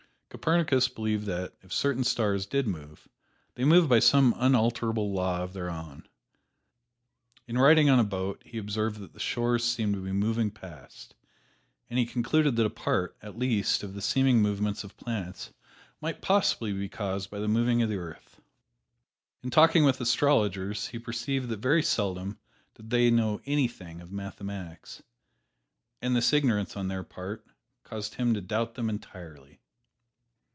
Copernicus believed that, if certain stars did move, they moved by some unalterable law of their own. In riding on a boat he observed that the shores seemed to be moving past, and he concluded that a part, at least, of the seeming movements of planets might possibly be caused by the moving of the earth. In talking with astrologers he perceived that very seldom did they know anything of mathematics. And this ignorance on their part caused him to doubt them entirely.